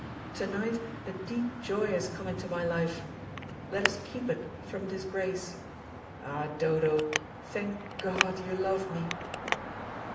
To night a deep joy has come into my life; let us keep it from disgrace. Ah, Dodo, thank God you love me."